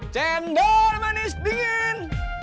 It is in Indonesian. cendol manis dingin